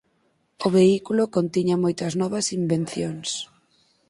O vehículo contiña moitas novas invencións.